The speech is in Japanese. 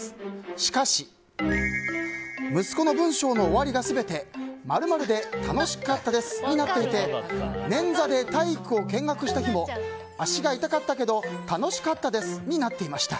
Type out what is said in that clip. しかし息子の文章の終わりが全て○○で楽しかったですとなっていてねんざで体育を見学した日も足が痛かったけど楽しかったですになっていました。